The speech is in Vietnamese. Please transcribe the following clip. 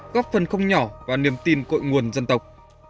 góp phần không nhỏ vào niềm tin cội nguồn dân tộc